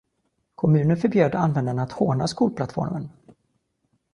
Kommunen förbjöd användarna att håna skolplattformen.